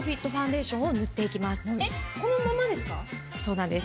そうなんです。